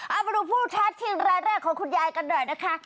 เอามาดูผู้ท้าชิงรายแรกของคุณยายกันหน่อยนะคะ